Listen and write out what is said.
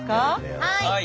はい。